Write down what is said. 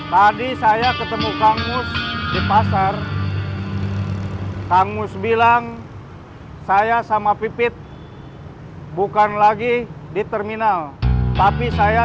tadi saya ketemu kangus di pasar kangus bilang saya sama pipit bukan lagi di terminal tapi saya